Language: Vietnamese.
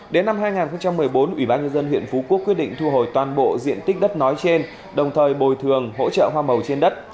đến năm hai nghìn một mươi bốn ủy ban nhân dân huyện phú quốc quyết định thu hồi toàn bộ diện tích đất nói trên đồng thời bồi thường hỗ trợ hoa màu trên đất